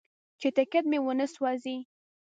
چې ټکټ مې ونه سوځوي.